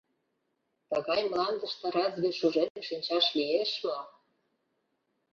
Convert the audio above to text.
Тыгай мландыште разве шужен шинчаш лиеш мо?